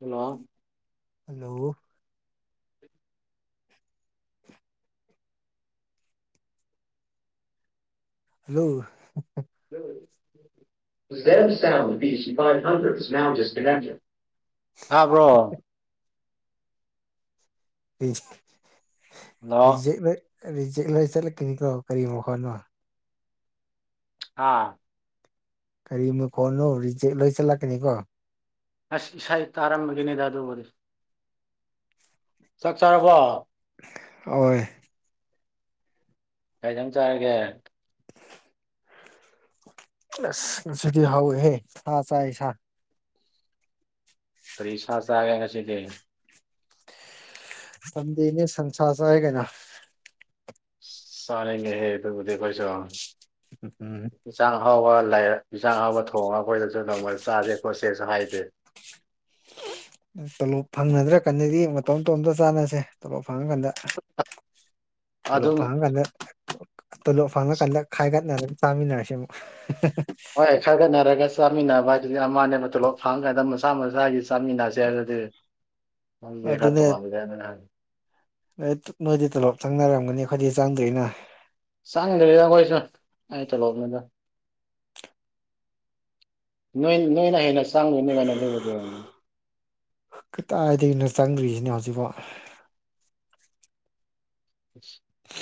hello hello hello [unintelligible] ꯁꯥꯥꯕ꯭ꯔꯣ ꯖ ꯔꯤꯖꯦꯛ ꯂꯣꯏ ꯆꯠꯂꯛꯀꯅꯤꯀꯣ ꯀꯔꯤꯣ ꯍꯣꯠꯅꯣ ꯑꯥ ꯀꯔꯤ ꯃꯈ ꯈꯣꯠꯅꯣ ꯔꯤꯖꯦꯛ ꯂꯣꯏ ꯆꯠꯂꯛꯀꯅꯤꯀꯣ ꯑꯁ ꯏꯁꯩ ꯇꯥꯔꯝꯃꯒꯦꯅꯦ ꯑꯗꯨ ꯋꯥꯔꯤ ꯆꯥꯛ ꯆꯥꯔꯕꯣ ꯑꯣꯏ ꯀꯩ ꯆꯥꯔꯒꯦ ꯑ ꯁꯤꯗꯤ ꯍ ꯍꯦ ꯁꯥ ꯆꯥꯏ ꯁꯥ ꯀꯔꯤ ꯁꯥ ꯆꯒꯦ ꯉꯁꯤꯗꯤ ꯂꯝꯗꯤꯅꯤ ꯁꯁꯥ ꯆꯦ ꯀꯅ ꯆꯅꯒꯦ ꯍꯦ ꯇꯕꯨꯗꯤꯣꯏꯁꯣ ꯎ ꯎꯝ ꯑꯍꯥꯎꯕ ꯂꯥꯏ ꯌꯦꯟꯖꯥꯡ ꯍꯍꯥꯎꯕ ꯊꯣꯡꯉꯒ ꯑꯩꯈꯣꯏꯗꯁꯨ ꯅꯣꯡꯃꯗ ꯆꯥꯥꯁꯦ ꯈꯣꯠꯁꯦꯁꯨ ꯍꯥꯏꯗꯦ [unintelligible] ꯇꯣꯂꯣꯞ ꯐꯪꯅꯗ꯭ꯔꯥ ꯀꯟꯅꯗꯤ ꯃꯇꯣꯝ ꯃꯇꯣꯝꯇ ꯆꯥꯟꯅꯁꯦꯂꯣꯞ ꯐꯥꯡ ꯀꯗ ꯍꯂꯣ ꯑꯗꯨꯝ ꯐꯥꯥꯡ ꯀꯗ ꯇꯣꯂꯣꯞ ꯐꯥꯎꯅ ꯀꯜꯂ ꯈꯥꯏꯒꯠꯅ ꯑꯗꯨꯝ ꯆꯥꯃꯤꯟꯅꯔꯁꯤ ꯑꯃꯨꯛ ꯍꯣꯏ ꯈꯔ ꯈꯠꯅꯔꯒ ꯆꯥꯃꯤꯟꯅꯕ ꯍꯥꯏꯗꯨꯗꯤ ꯑꯃꯥꯟꯅꯦꯕ ꯇꯣꯂꯣꯞ ꯐꯪ ꯀꯥꯟꯗ ꯃꯆꯥꯥ ꯃꯆꯥꯥꯒꯤ ꯆꯥꯃꯤ ꯅꯁꯦ ꯑꯗꯨꯗ ꯦ ꯍꯥ ꯇ ꯃꯗꯒꯗꯅ ꯍꯥꯏ ꯅꯣꯏ ꯅꯣꯏꯗꯤ ꯇꯂꯣꯞ ꯊꯪꯅꯔꯝꯒꯅꯤ ꯑꯩꯈꯣꯏꯗꯤ ꯆꯪꯗꯣꯏꯅ ꯁꯥꯡꯗꯔꯤꯗ ꯀꯣꯏꯁꯨ ꯑꯩ ꯆꯂꯣꯗ ꯅꯣꯏꯅ ꯍꯦꯅ ꯆꯥꯡꯅꯤ ꯀꯥꯏꯅ ꯀꯗꯥꯏꯗꯒꯤꯅ ꯆꯪꯗ꯭ꯔꯤꯁꯤꯅꯣ ꯍꯧꯖꯤꯛꯐꯥꯎ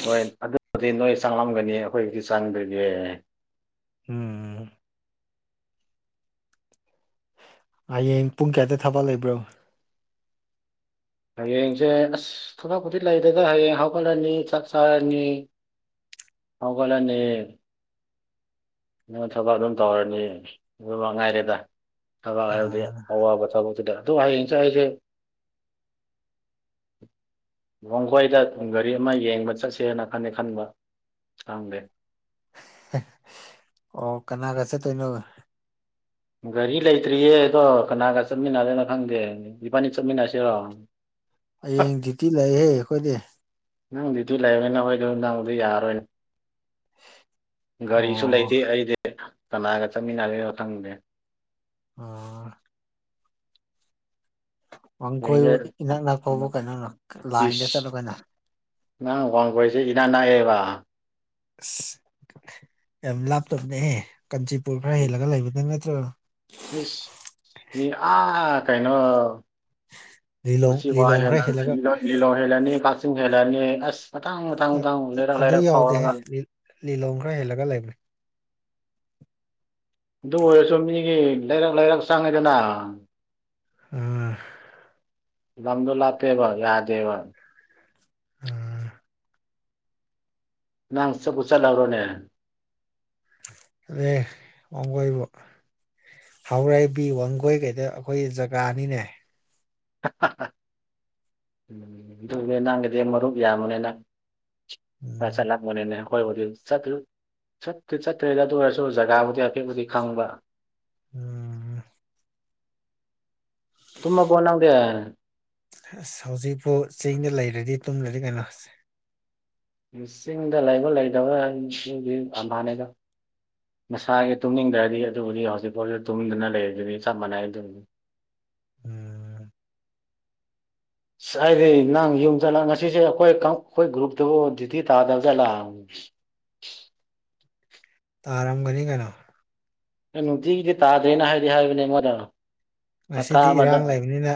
ꯍꯣꯏ ꯑꯗꯨꯕꯨꯗꯤ ꯅꯣꯏ ꯆꯪꯂꯝꯒꯅꯤ ꯑꯩꯈꯣꯏꯒꯤꯛꯇ ꯆꯪꯗ꯭ꯔꯤꯒꯦ ꯎꯝ ꯍꯌꯦꯡ ꯄꯨꯡ ꯀꯌꯥꯗ ꯊꯕ ꯂꯩꯕ꯭ꯔꯣ ꯍꯌꯦꯡꯁꯦ ꯑꯁ ꯊꯕꯛꯄꯗꯤ ꯂꯩꯗꯗ ꯍꯌꯦꯡ ꯍꯧꯒꯠꯂꯅꯤ ꯆꯥꯛ ꯆꯥꯔꯅꯤ ꯍꯒꯣꯂꯅꯦ ꯅꯪ ꯊꯕꯛ ꯑꯗꯨꯝ ꯇꯧꯔꯅꯤ ꯑꯗꯨ ꯃ ꯉꯥꯏꯔꯦꯗ ꯊꯕꯥꯛ ꯍꯥꯏꯕꯗꯤ ꯑꯥ ꯑꯋꯥꯕ ꯊꯕꯛꯇꯨꯗ ꯑꯗꯨ ꯍꯌꯦꯡ ꯆꯦ ꯑꯩꯁꯦ ꯋꯥꯡꯈꯣꯏꯗ ꯒꯥꯔꯤ ꯑꯃ ꯌꯦꯡꯕ ꯆꯠꯁꯦ ꯍꯥꯏꯅ ꯈꯅꯤꯦ ꯈꯟꯕ ꯊꯥꯡꯗꯦ ꯑꯣ ꯀꯅꯥ ꯀꯁꯦ ꯇꯣꯏꯅꯨ ꯒꯥꯔꯤ ꯂꯩꯇ꯭ꯔꯤꯌꯦ ꯑꯗꯣ ꯀꯅꯥꯒ ꯆꯠꯃꯤꯟꯅꯗꯦꯅꯣ ꯈꯪꯗꯦ ꯏꯄꯥꯅꯤ ꯆꯠꯃꯤꯟꯅꯁꯤꯔꯣ ꯍꯌꯦꯡ ꯇꯤ ꯂꯩꯍꯦ ꯑꯩꯈꯣꯏꯗꯤ ꯅꯪꯗꯤ ꯑꯗꯨ ꯂꯩꯔꯅꯤ ꯅꯈꯣꯏꯗ ꯅꯪꯗꯤ ꯌꯥꯔꯣꯏꯅꯦ ꯒꯥꯔꯤꯁꯨ ꯑꯣ ꯂꯩꯇꯦ ꯑꯩꯗꯤ ꯀꯅꯥꯒ ꯆꯠꯃꯤꯟꯅꯒꯦ ꯃꯊꯪꯅꯦꯦ ꯑ ꯍꯌꯦꯡꯁꯦ ꯋꯥꯡꯈꯣꯏꯕꯨ ꯏꯅꯥꯛ ꯅꯛꯄꯥꯎꯕꯨ ꯀꯩꯅꯣꯅ ꯂꯥꯏꯟꯗ ꯏꯁ ꯆꯠꯂꯒꯩꯅ ꯅꯪ ꯀꯣꯟ ꯀꯣꯏꯁꯦ ꯏꯅꯥꯅꯥꯑꯌꯦꯕ ꯑꯁ ꯌꯥꯝ ꯂꯥꯞꯇꯕꯅꯦꯍꯦ ꯀꯥꯟꯆꯤꯄꯨꯔ ꯈꯔ ꯍꯦꯜꯂꯒ ꯂꯩꯕꯗ ꯅꯠꯇ [unintelligible] ꯃꯤꯁ ꯑꯥ ꯀꯩꯅꯩꯅꯣ ꯂꯤꯂꯣꯡ ꯨꯁꯤ ꯂꯤꯂꯣꯡ ꯈꯔ ꯍꯦꯜꯂꯒ ꯋꯥꯂꯣ ꯍꯦꯂꯅꯤ ꯀꯥꯁ ꯍꯦꯂꯅꯤ ꯑꯁ ꯆ ꯇꯥꯡ ꯇꯥꯡ ꯇꯪ ꯂꯩꯔ ꯑꯗꯨ ꯂꯩꯔ ꯌꯥꯎꯗꯦꯍꯦ ꯐꯒ ꯂꯤꯂꯣꯡ ꯈꯔ ꯍꯦꯜꯂꯒ ꯂꯩꯕꯅꯦ ꯑꯗꯨ ꯑꯣꯏꯔꯁꯨ ꯃꯤꯒꯤ ꯂꯩꯔꯛ ꯂꯩꯔꯛ ꯆꯪꯉꯤꯗꯅ ꯑꯥ ꯗꯜꯂꯞ ꯄꯦꯕ ꯌꯥꯗꯦꯕ ꯑꯥ ꯅꯪ ꯆꯠꯄ ꯆꯠꯍꯧꯔꯣꯅꯦ ꯑꯗꯦ ꯋꯥꯡ ꯑꯣꯏꯕ ꯍꯥꯎꯔꯥꯏꯕꯤ ꯋꯥꯡꯒꯣꯏ ꯀꯩꯗ ꯑꯩꯈꯣꯏ ꯖꯒꯥꯅꯤꯅꯦ ꯑꯗꯨ ꯅꯪꯒꯗꯤꯦ ꯃꯔꯨꯞ ꯌꯥꯌꯥ ꯑꯃꯣꯅꯦ ꯅꯪ ꯍ ꯎꯝ ꯆꯂꯥꯛ ꯃꯅꯤꯅꯦ ꯍꯣꯏꯕꯨꯗꯤ ꯆꯠꯇ꯭ꯔ ꯆꯠꯇꯔꯤ ꯆꯠꯇ꯭ꯔꯦꯗꯤ ꯑꯗꯨ ꯑꯣꯏꯔꯁꯨ ꯖꯒꯥꯕꯨꯗꯤ ꯑꯐꯦꯠꯄꯨꯗꯤ ꯈꯪꯕ ꯎꯝ ꯇꯨꯝꯃ ꯐꯅ ꯍꯧꯒ ꯑꯁ ꯍꯧꯖꯤꯛꯐꯥꯎ ꯆꯤꯡꯗ ꯂꯩꯔꯗꯤ ꯇꯨꯝꯂꯗꯤ ꯀꯩꯅꯣꯁ ꯆꯤꯡꯗ ꯂꯩꯕ ꯂꯩꯇꯕꯒꯤ ꯑꯝꯕꯥꯅꯦꯗ ꯃꯁꯥꯒꯤ ꯇꯨꯝꯅꯤꯡꯗ꯭ꯔꯗꯤ ꯑꯗꯨꯕꯨꯗꯤ ꯍꯧꯖꯤꯛꯐꯥꯎꯗ ꯇꯨꯝꯗꯅ ꯂꯩꯔꯤ ꯑꯗꯨꯗꯤ ꯆꯞ ꯃꯥꯟꯅꯩ ꯑꯗꯨꯅꯤ [inaudible] ꯎꯝ ꯑꯁ ꯍꯥꯏꯗꯤ ꯅꯪ ꯌꯨꯝ ꯆꯠꯂ ꯉꯁꯤꯁꯦ ꯑꯩꯈꯣꯏ ꯑꯩꯈꯣꯏ ꯒ꯭ꯔꯨꯞꯇꯕꯨ ꯗ꯭ꯌꯨꯇꯤ ꯇꯥꯗꯕ ꯆꯠꯂ [unintelligible] ꯇꯔꯝꯒꯅꯤꯒꯅ ꯅꯨꯡꯇꯤꯒꯤꯗꯤ ꯇꯥꯗ꯭ꯔꯦꯅ ꯍꯥꯏꯗꯤ ꯍꯥꯏꯕꯅꯦ ꯃꯣꯏꯅ ꯉꯁꯤꯗꯤ ꯏꯔꯥꯡ ꯂꯩꯕꯅꯤꯅ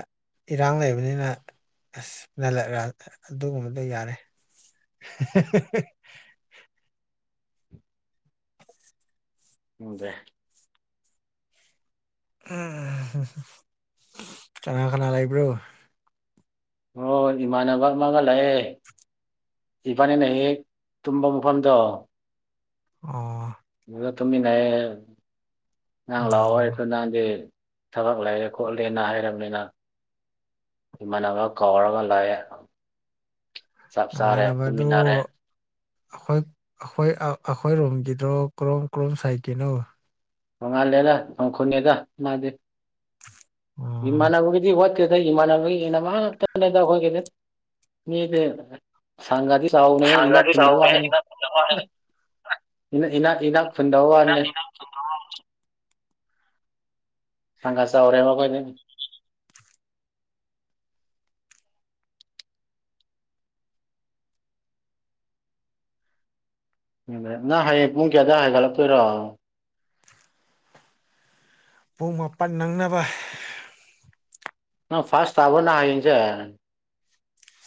ꯏꯔꯥꯡ ꯂꯩꯕꯅꯤꯅ ꯑꯁ ꯅꯜꯂꯛꯒ ꯑꯗꯨꯒꯨꯝꯕꯗꯣ ꯌꯥꯔꯦ ꯎꯗ ꯀꯉꯥ ꯈꯅ ꯂ ꯂꯩꯕ꯭ꯔꯣ ꯍꯣꯏ ꯏꯃꯥꯟꯅꯕ ꯑꯃꯒ ꯂꯥꯛꯑꯦ ꯏꯕꯥꯅꯤꯅ ꯍꯦꯛ ꯇꯨꯝꯕ ꯃꯐꯝꯗꯣ ꯑꯣ ꯇꯨꯃꯤꯟꯅꯌꯦ ꯅꯍꯥꯡ ꯂꯥꯛꯑꯣ ꯑꯣ ꯍꯥꯏꯁꯨ ꯅꯍꯥꯟꯗꯤ ꯊꯕꯛ ꯂꯩꯔꯦ ꯈꯣꯠꯂꯦꯅ ꯍꯥꯏꯔꯕꯅꯤꯅ ꯏꯃꯅꯒ ꯀꯧꯔꯒ ꯂꯥꯛꯑꯦ ꯃꯃꯥꯏ ꯆꯥꯔꯦ ꯅꯝꯕꯔꯗꯨꯣ ꯇꯨꯃꯤꯟꯅꯔꯦ ꯑꯩꯈꯣꯏ ꯑꯩꯈꯣꯏ ꯑꯩꯈꯣꯏ ꯔꯣꯝꯒꯤꯗ꯭ꯔꯣ ꯀ꯭ꯔꯣꯝ ꯀꯔꯣꯝ ꯁꯥꯏꯒꯤꯅꯣ ꯅꯣꯡꯉꯥꯜꯂꯦꯗ ꯊꯣꯡꯈꯨꯅꯦꯗ ꯃꯥꯗꯤ ꯑꯣ ꯏꯃꯥꯟꯅꯕꯒꯤꯗꯤ ꯋꯥ ꯏꯃꯥꯟꯃꯗ ꯑꯩꯈꯣꯏ ꯀꯗ ꯁꯒꯥ ꯈꯨ ꯅ ꯋꯥꯔ ꯏ [unintelligible] ꯁꯟꯒ ꯆꯥꯑꯣꯔꯦꯕꯥ ꯑꯩꯈꯣꯢꯗꯤ ꯅꯪ ꯍꯌꯦꯡ ꯄꯨꯡ ꯀꯌꯥꯗ ꯍꯥꯏꯒꯠꯂꯛꯇꯣꯏꯔꯣ ꯄꯨꯡ ꯃꯥꯄꯟ ꯅꯪꯅꯕ ꯅꯡ ꯐꯥꯔꯁ ꯇꯥꯕꯅ ꯍꯥꯏꯁꯦ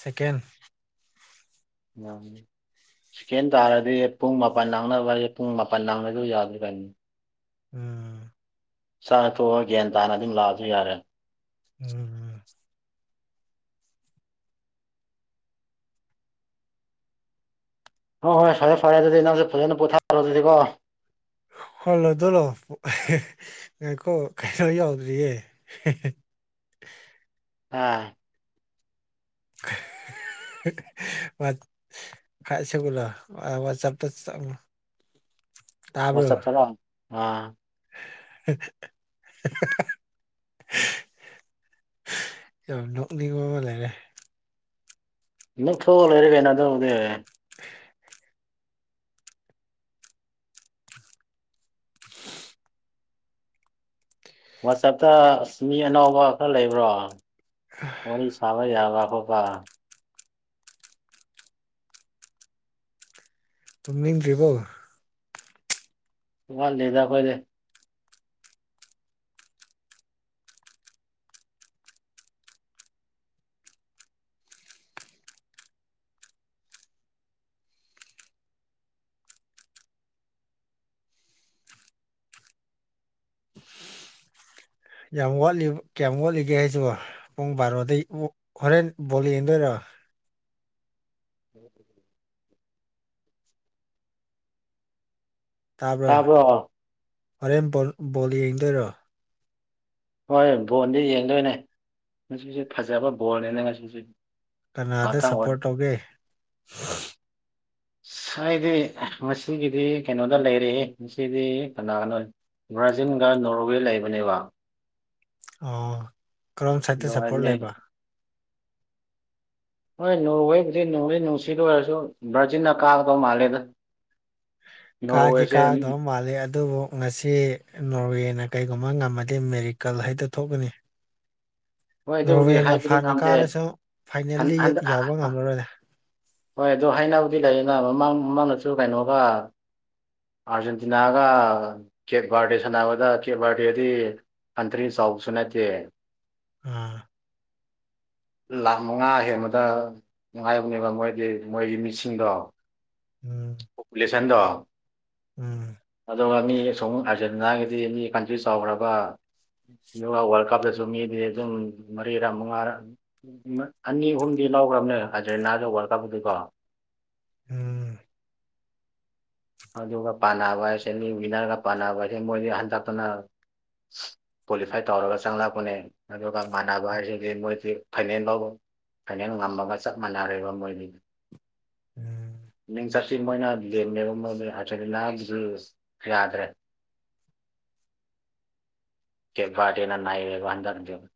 ꯁꯀꯦꯟ ꯎ ꯆꯦꯀꯦꯟ ꯇꯥꯔꯗꯤ ꯄꯨꯡ ꯃꯥꯄꯜ ꯅꯥꯡꯅꯕ ꯄꯨꯡ ꯃꯥꯄꯜ ꯅꯥꯡꯅꯗ ꯌꯥꯗꯔꯤ ꯀꯅꯤ ꯎꯝ ꯆꯥꯅꯊꯣꯛꯑꯒ ꯒ꯭ꯌꯥꯟ ꯇꯥꯅ ꯑꯗꯨꯝ ꯂꯥꯛꯑꯁꯨ ꯌꯥꯔꯦ ꯎꯝ ꯍꯣꯏ ꯍꯣꯏ ꯐꯔꯦ ꯐꯔꯦ ꯑꯗꯨꯗꯤ ꯅꯪꯁꯨꯦ ꯐꯖꯅ ꯄꯣꯊꯥꯔꯣ ꯑꯗꯨꯗꯤꯀꯣ ꯍꯣꯜꯂꯣ ꯑꯗꯨꯔꯣ ꯉꯥꯏꯈꯣ ꯀꯩꯅꯣ ꯌꯥꯎꯗ꯭ꯔꯤꯌꯦ ꯎꯝ [inaudible] ꯥꯏꯁꯒꯂꯣ ꯑ ꯆꯞꯇ ꯋꯥꯁꯞ ꯆꯗ ꯑꯥ [inaudible] ꯑ ꯅꯅꯤꯉ ꯂꯩꯔꯦ ꯅꯛ ꯊꯣꯂꯔꯤꯒꯦ ꯅ ꯑꯗꯨꯗꯦ ꯋꯥꯆꯞꯇ ꯃꯤ ꯑꯅꯕ ꯈꯔ ꯂꯩꯕ꯭ꯔꯣ ꯋꯥꯔꯤ ꯁꯥꯕ ꯌꯥꯕ ꯑꯣꯀ ꯇꯨꯝ ꯅꯤꯡꯗ꯭ꯔꯤꯕꯣ ꯁꯃꯥꯟ ꯂꯩꯗ ꯀꯣꯏꯔꯦ ꯌꯥꯝ ꯋꯥꯠꯂꯤꯕ ꯀꯌꯥꯝ ꯋꯥꯠꯂꯤꯒꯦ ꯍꯥꯏꯁꯤꯕꯣ ꯄꯨꯡ ꯕꯥꯔꯣꯗꯒꯤꯩ ꯍꯣꯔꯦꯟ ꯕꯣꯠ ꯌꯦꯡꯗꯣꯏꯔꯣ ꯎꯝ ꯇꯥꯕ꯭ꯔꯣ ꯍꯔꯦꯝ ꯕꯣꯜ ꯌꯦꯡꯗꯣꯏꯔꯣ ꯍꯣꯏ ꯕꯣꯟꯗꯤ ꯌꯦꯡꯗꯣꯏꯅꯦ ꯉꯁꯤꯁꯨ ꯐꯖꯕ ꯕꯣꯜꯅꯤꯅꯦ ꯉꯁꯤꯁ ꯀꯅꯥꯗ ꯁꯞꯄꯣꯔꯠ ꯇꯧꯒꯦ ꯍꯥꯏꯗꯤ ꯉꯁꯤꯒꯤꯗꯤ ꯀꯩꯅꯣꯗ ꯂꯩꯔꯦ ꯉꯗꯤ ꯀꯅꯥꯒꯅꯣ ꯕ꯭ꯔꯥꯖꯤꯟꯒ ꯅꯣꯔꯋꯦ ꯂꯩꯕꯅꯦꯕ ꯑꯣ ꯀꯔꯣꯝ ꯁꯥꯏꯗꯠꯇ ꯑꯗꯣ ꯁꯞꯄꯣꯔꯠ ꯍꯥꯏꯗꯤ ꯂꯩꯕ ꯍꯣꯏ ꯅꯣꯡꯨ ꯍꯩꯕꯨꯗꯤ ꯅꯨꯡꯗꯤ ꯅꯨꯡꯁꯤꯗ ꯑꯣꯏꯔꯁꯨ ꯚꯔꯖꯤꯟꯅ ꯀꯥꯒꯗꯧ ꯃꯥꯜꯂꯦꯗ ꯀꯥꯗꯤ ꯅꯣꯔꯋꯦꯁꯦ ꯀꯥꯗ ꯃꯥꯜꯂꯤ ꯑꯗꯨꯕꯨ ꯉꯁꯤ ꯅꯣꯔꯋꯦꯅ ꯀꯩꯒꯨꯝꯕ ꯉꯝꯃꯗꯤ ꯃꯦꯔꯤꯀꯜ ꯍꯥꯏꯗ ꯊꯣꯛꯀꯅꯤ ꯍꯣꯏ ꯑꯗꯨꯕꯨꯗꯤ ꯅꯣꯔꯋꯦꯅ ꯍꯥꯏꯕꯗꯤ ꯐꯥꯟꯅ ꯉꯝꯗꯦ ꯀꯥꯔꯁꯨ ꯍꯟ ꯐꯥꯏꯅꯦꯜꯗꯤ ꯍꯟꯗꯛ ꯌꯥꯎꯕ ꯉꯝꯂꯔꯣꯏꯔ ꯍꯣꯏ ꯑꯗꯨ ꯍꯥꯏꯅꯕꯗꯤ ꯂꯩꯌꯦꯅ ꯃꯃꯥꯡ ꯃꯃꯥꯡꯗꯁꯨ ꯀꯩꯅꯣꯒ ꯑꯥꯔꯖꯦꯟꯇꯤꯅꯥꯒ ꯀꯦꯛ ꯕꯥꯔꯗꯦ ꯁꯥꯟꯅꯕꯗ ꯀꯦꯛ ꯕꯥꯔꯗꯦꯗꯤ ꯑꯟꯇꯔꯤ ꯁꯥꯥꯎꯁꯨꯅꯇ ꯑꯥ ꯂꯥꯈ ꯃꯉꯥ ꯍꯦꯟꯕꯗ ꯅꯨꯡꯉꯥꯏꯕꯅꯦꯕ ꯃꯣꯏ ꯃꯣꯏꯒꯤ ꯃꯤꯠꯁꯤꯡꯗꯣ ꯎꯝ ꯄꯣꯄꯨꯂꯦꯁꯟꯗ ꯎꯝ ꯁꯣꯝ ꯑꯥꯔꯖꯦꯟꯇꯤꯅꯥꯒꯤꯗꯤ ꯃꯤ ꯀꯟꯇ꯭ꯔꯤ ꯆꯥꯎꯈ꯭ꯔꯕ ꯌꯣ ꯋꯥꯔꯜ ꯀꯇ ꯃꯤꯗꯤ ꯑꯗꯨꯝ ꯃꯔꯤꯔꯥ ꯃꯉꯥ ꯑꯅꯤ ꯑꯍꯨꯝꯗꯤ ꯂꯧꯈ꯭ꯔꯕꯅꯦ ꯍꯥꯏꯖꯔꯦ ꯅꯥꯗꯧꯕ ꯋꯥꯔꯀꯄꯗꯤꯀꯣ ꯎꯝ ꯑꯗꯨꯒ ꯄꯥꯅꯕ ꯍꯥꯏꯁꯦꯅꯤ ꯋꯤꯟꯅꯔꯒ ꯄꯥꯟꯅꯕ ꯍꯥꯏꯁꯦ ꯃꯣꯏꯗꯤ ꯍꯟꯗꯛꯇꯅ ꯀ꯭ꯋꯥꯂꯤꯐꯥꯏ ꯇꯧꯔꯒ ꯆꯪꯂꯛꯄꯅꯦ ꯑꯗꯨꯒ ꯃꯥꯟꯅꯕ ꯍꯥꯏꯁꯤꯗꯤ ꯃꯣꯏꯗꯤ ꯐꯥꯏꯅꯜ ꯐꯥꯎꯕ ꯐꯅꯦꯛ ꯉꯝꯃꯒ ꯆꯞ ꯃꯥꯟꯅꯔꯔꯤꯕ ꯃꯣꯏꯅꯤꯅ ꯎꯝ ꯃꯤꯡ ꯆꯠꯁꯤ ꯃꯣꯏꯅ ꯂꯦꯝꯅꯦꯕ ꯆ ꯂ ꯌꯥꯗꯔꯦ ꯀ ꯄꯥꯔꯇꯅ ꯅꯥꯏ ꯋꯥꯗ ꯅꯠꯇꯕ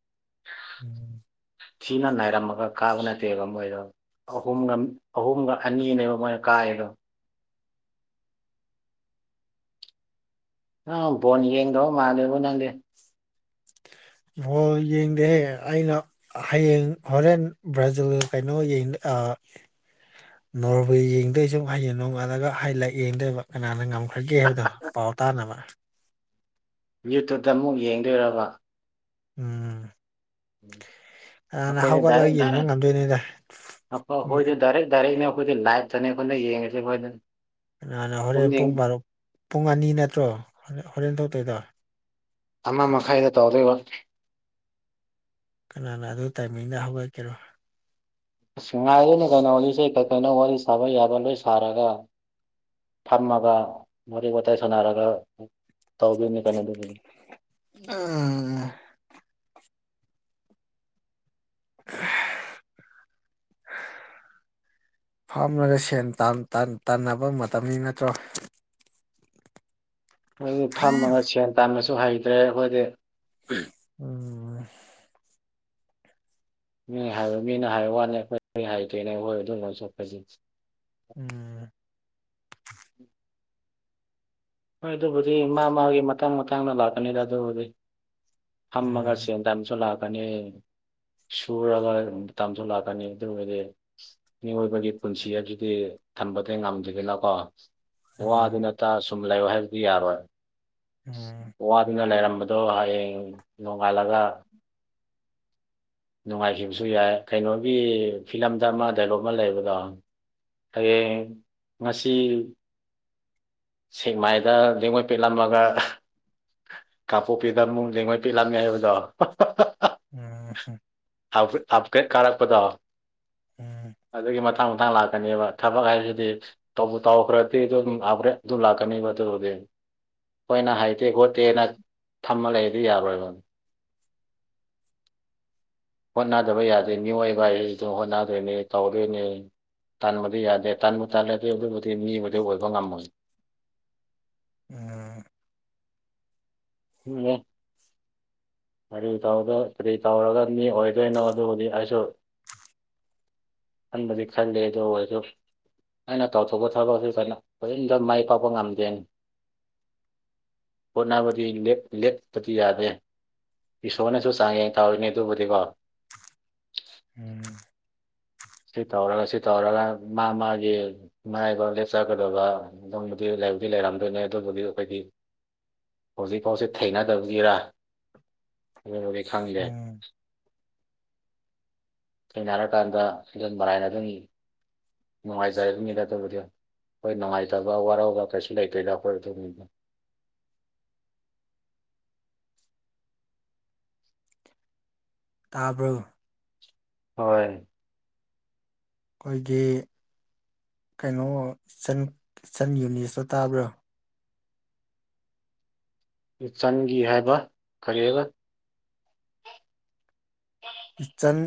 ꯎꯝ ꯊꯤꯅ ꯅꯥꯏꯔꯝꯃꯒ ꯀꯥꯕ ꯅꯠꯇꯦꯕ ꯃꯣꯏꯗꯣ ꯑꯍꯨꯝꯒ ꯑꯍꯨꯝꯒ ꯑꯅꯤꯅꯦꯕ ꯃꯣꯏꯅ ꯀꯥꯑꯦꯕ ꯗꯣ ꯑ ꯅꯤ ꯌꯦꯡꯗꯣ ꯃꯥꯅꯦꯕ ꯅꯪꯦ ꯕꯣꯜ ꯌꯦꯡꯗꯦꯍꯦ ꯑꯩꯅ ꯍꯌꯦꯡ ꯍꯣꯔꯦꯟ ꯕ꯭ꯔꯥꯖꯤꯜ ꯀꯩꯅꯣ ꯂ ꯐꯒꯦ ꯍꯥꯏꯕꯗꯣ ꯄꯥꯎ ꯇꯥꯅꯕ ꯌꯨꯇꯨꯨꯞꯇ ꯑꯃꯨꯛ ꯌꯦꯡꯗꯣꯏꯔꯕ ꯎꯝ ꯎꯝ ꯀꯅꯥꯅ ꯑꯩꯈꯣꯏ ꯍꯧꯒꯠꯂꯒ ꯗꯥꯏꯔꯦꯛ ꯌꯦꯡꯕ ꯉꯝꯗꯣꯏꯅꯤꯗ ꯗꯥꯏꯔꯈꯣꯏꯗꯤ ꯗꯥꯏꯔꯦꯛ ꯗꯥꯏꯔꯦꯛꯅꯦ ꯑꯩꯈꯣꯏꯗꯤ ꯂꯥꯏ ꯆꯅꯦꯦꯛ ꯈꯅ ꯌꯦꯡꯉꯁꯤꯦꯕꯣꯏ ꯑꯗꯨ ꯥꯟꯅ ꯍꯣꯔꯦꯟ ꯄꯨꯡ ꯕꯥꯔ ꯄꯨꯡ ꯑꯅꯤ ꯅꯠꯇ꯭ꯔꯣ ꯍꯣꯔꯦꯟ ꯊꯣꯛꯇꯣꯏꯗꯣ ꯑꯃ ꯃꯈꯥꯏꯗ ꯇꯧꯣꯏꯔꯤꯕ ꯀꯅꯥꯅ ꯑꯗꯨ ꯇꯥꯏꯃꯤꯡꯗ ꯍꯧꯒꯠꯀꯦꯔꯣ ꯑꯁ ꯉꯥꯏꯔꯤꯅꯦ ꯀꯩꯅꯣꯂꯤꯁꯦ ꯀꯩꯅꯣ ꯋꯥꯔꯤ ꯁꯥꯕ ꯌꯥꯕ ꯂꯣꯏ ꯁꯥꯔꯒ ꯐꯝꯃꯒ ꯋꯥꯔꯤꯔꯤ ꯋꯥꯋꯇꯥꯏ ꯁꯥꯟꯅꯔꯒ ꯇꯥꯎꯕꯤ ꯑꯅꯤ ꯀꯩꯅꯗꯅꯤ [unintelligible] ꯐꯥꯝꯂꯒ ꯁꯦꯟ ꯇꯥꯟꯕ ꯃꯇꯝꯅꯤ ꯅꯠꯇ꯭ꯔꯣ ꯑꯩꯈꯣꯏꯗꯤ ꯐꯝꯃꯒ ꯁꯦꯟ ꯇꯅꯁꯨ ꯍꯩꯇ꯭ꯔꯦ ꯑꯩꯈꯣꯏꯗꯤ ꯍ ꯃꯤꯅ ꯍꯥꯏꯔ ꯃꯤꯅ ꯍꯥꯏꯔ ꯋꯥꯅꯤ ꯑꯩꯈꯣꯏ ꯀ ꯍꯥꯏꯗꯣꯏꯅꯦ ꯑꯩꯈꯣꯏ ꯑꯗꯨ ꯂ ꯆꯄꯁꯤꯁ ꯎꯝ ꯎꯝ ꯍꯣꯏ ꯑꯗꯨꯕꯨꯗꯤ ꯃꯥ ꯃꯥꯒꯤ ꯃꯇꯥꯡ ꯃꯇꯥꯡꯗ ꯂꯥꯛꯀꯅꯤꯗ ꯑꯗꯨꯕꯨꯗꯤ ꯐꯝꯃꯒ ꯎꯝ ꯆꯦꯟꯗꯥ ꯑꯃꯁꯁꯨ ꯂꯥꯛꯀꯅꯤ ꯁꯨꯔꯒ ꯇꯥꯝꯊꯣꯛꯂꯛꯀꯅꯤ ꯑꯗꯨ ꯑꯣꯏꯔꯗꯤ ꯃꯤꯑꯣꯏꯕꯒꯤ ꯄꯨꯟꯁꯤ ꯍꯥꯏꯕꯁꯤꯗꯤ ꯊꯝꯕꯗꯤ ꯉꯝꯖꯈꯤꯕꯦꯅꯀꯣ ꯋꯥꯗꯨ ꯅꯠꯇ ꯁꯨꯝ ꯂꯩꯌ ꯍꯥꯏꯕꯗꯤ ꯌꯥꯔꯣꯏ ꯎꯝ ꯋꯥꯗꯨꯅ ꯂꯩꯔꯝꯕ ꯗꯣ ꯍꯌꯦꯡ ꯅꯣꯡꯉꯥꯜꯂꯒ ꯅꯨꯡꯉꯥꯏꯈꯤꯕꯁꯨ ꯌꯥꯏ ꯀꯩꯅꯣꯒꯤ ꯐꯤꯂꯝꯗ ꯑꯃ ꯗꯥꯏꯂꯣꯞ ꯑꯃ ꯂꯩꯕꯗꯣ ꯑꯩ ꯉꯁꯤ ꯁꯦꯛꯃꯥꯏꯗ ꯃꯣꯏ ꯄꯤꯠꯂꯝꯃꯒ ꯀꯥꯄꯨ ꯄꯤꯗꯃꯨ ꯌꯦꯉꯣꯏ ꯄꯤꯂꯝꯃꯦ ꯍꯥꯏꯕꯗꯣ ꯎꯝ ꯑꯞꯀꯦꯠ ꯀꯥꯔꯛꯄꯗꯣ ꯎꯝ ꯑꯗꯨꯒꯤ ꯃꯊꯥꯡ ꯃꯊꯥꯡ ꯂꯥꯛꯀꯅꯦꯕ ꯊꯕꯛ ꯍꯥꯏꯕꯁꯤꯗꯤ ꯇꯧꯕ ꯇꯧꯈ꯭ꯔꯗꯤ ꯑꯗꯨ ꯑꯗꯨꯝ ꯂꯈ꯭ꯔꯦ ꯑꯗꯨ ꯂꯥꯛꯀꯅꯤꯕ ꯑꯗꯨ ꯍꯧꯒꯦ ꯑꯩꯈꯣꯏꯅ ꯍꯩꯇꯦ ꯈꯣꯠꯇꯦꯅ ꯊꯃ ꯂꯩꯗꯤ ꯌꯥꯔꯣꯏꯕꯅꯤ ꯍꯣꯠꯅꯗꯕ ꯌꯥꯗꯦ ꯃꯤꯑꯣꯏꯕ ꯑꯩ ꯑꯗꯨ ꯍꯣꯠꯅꯗꯣꯏꯅꯦ ꯇꯧꯗꯣꯏꯅꯦ ꯇꯟꯕꯗꯤ ꯌꯥꯗꯦ ꯇꯟꯕ ꯇꯜꯂꯗꯤ ꯑꯗꯨꯕꯨꯗꯤ ꯃꯤꯕꯨꯗꯤ ꯑꯣꯏꯕ ꯉꯝꯃꯣꯏ ꯑ ꯎꯝ ꯑꯔꯤ ꯇꯒ ꯇꯔꯤ ꯇꯔꯒ ꯃꯤ ꯑꯣꯏꯗꯣꯏꯅꯣ ꯑꯗꯨꯕꯨꯗꯤ ꯑꯩꯁꯨ ꯑꯕꯗꯤ ꯈꯂꯦ ꯑꯗꯨꯣ ꯑꯗꯨꯁꯨ ꯑꯩꯅ ꯇꯧꯊꯣꯛꯄ ꯊꯗꯄꯁꯤꯗ ꯐ ꯃꯥꯏ ꯄꯥꯛꯄ ꯉꯝꯗꯦꯅꯤ ꯑꯣꯅꯥꯕꯗꯤ ꯂꯦꯞ ꯊꯤ ꯌꯥꯗꯦ ꯏꯁꯣꯔꯅꯁꯨ ꯆꯥꯡꯉꯦ ꯀꯥꯎꯏꯅꯦ ꯑꯗꯨꯕꯨꯗꯤꯀꯣ ꯎꯝ ꯁꯤ ꯇꯧꯔꯒ ꯁꯤ ꯇꯧꯔꯒ ꯃꯥ ꯃꯥꯒꯤ ꯃꯥꯏꯕ ꯂꯦꯞꯆꯀꯗꯕ ꯑꯗꯨꯗꯤ ꯍꯥꯏꯕꯨꯗꯤ ꯂꯩꯔꯝꯗꯣꯏꯅꯦ ꯑꯗꯨꯕꯨꯗꯤ ꯑꯩꯈꯣꯏꯗꯤ ꯍꯧꯖꯤꯛꯐꯥꯎꯁꯤ ꯊꯦꯡꯅꯗꯕꯒꯤꯔ ꯍ ꯈꯉꯒ ꯎꯝ ꯁꯦꯡꯩꯅ ꯍꯥꯏꯔꯀꯥꯟꯗ ꯑꯩꯗꯣꯟ ꯃꯔꯥꯏꯅꯗꯨꯅꯤ ꯅꯨꯡꯉꯥꯏꯖ ꯃꯤꯗꯥꯗ ꯍꯣꯏ ꯅꯨꯡꯉꯥꯏꯇꯕ ꯋꯥꯔꯧꯕ ꯀꯩꯁꯨ ꯂꯩꯇꯣꯏꯗ ꯑꯩꯈꯣꯏ ꯑꯗꯨ [unintelligible] ꯇꯥꯕ꯭ꯔꯣ ꯍꯣꯏ ꯑꯩꯈꯣꯏꯒꯤ ꯀꯩꯅꯣꯟ ꯁꯟ ꯌꯨꯅꯤꯁꯇꯣ ꯇꯥꯕ꯭ꯔꯥ ꯁꯟꯒꯤ ꯍꯥꯏꯕ ꯈꯔꯒ ꯏꯆꯟ